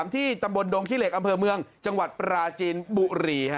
ที่ตำบลดงขี้เหล็กอำเภอเมืองจังหวัดปราจีนบุรี